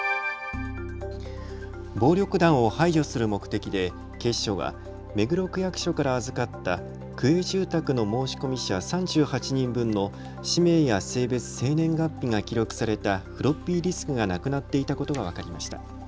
暴力団を排除する目的で警視庁が目黒区役所から預かった区営住宅の申込者３８人分の氏名や性別、生年月日が記録されたフロッピーディスクがなくなっていたことが分かりました。